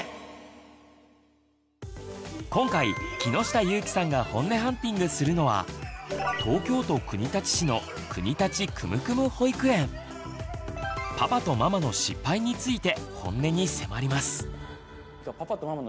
今回木下ゆーきさんがホンネハンティングするのは東京都国立市の「パパとママの失敗」についてホンネに迫ります。